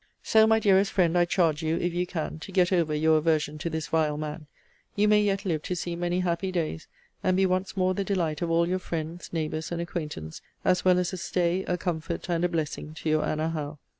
So, my dearest friend, I charge you, if you can, to get over your aversion to this vile man. You may yet live to see many happy days, and be once more the delight of all your friends, neighbours, and acquaintance, as well as a stay, a comfort, and a blessing to your Anna Howe.